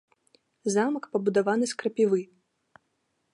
Замак, пабудаваны з крапівы.